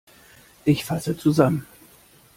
Ich fasse zusammen.